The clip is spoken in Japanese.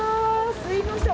すみません